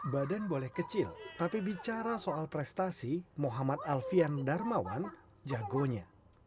badan boleh kecil tapi bicara soal prestasi muhammad alfian darmawan jagonya